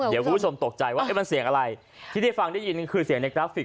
เดี๋ยวคุณผู้ชมตกใจว่ามันเสียงอะไรที่ได้ฟังได้ยินคือเสียงในกราฟิก